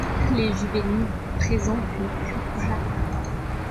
Les juvéniles présentent une queue rougeâtre.